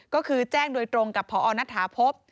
ก็คือแจ้งโดยตรงกับพอณฐาพบ